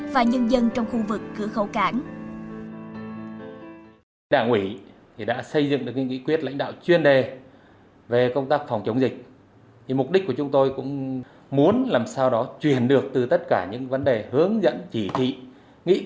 và nhân dân trong khu vực cửa khẩu cảng